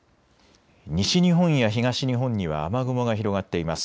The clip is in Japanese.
西日本や東日本には雨雲が広がっています。